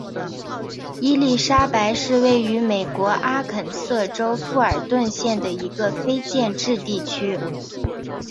伊莉莎白是位于美国阿肯色州富尔顿县的一个非建制地区。